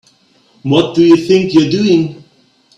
What do you think you're doing?